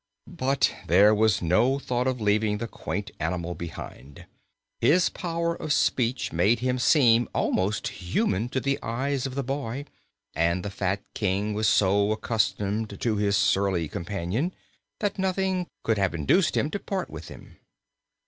But there was no thought of leaving the quaint animal behind. His power of speech made him seem almost human in the eyes of the boy, and the fat King was so accustomed to his surly companion that nothing could have induced him to part with him.